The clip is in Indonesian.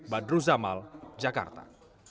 badru zamal jakarta